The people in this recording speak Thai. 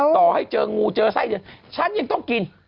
ต่อให้เจองูเจอไส้เดือนฉันยังต้องกิน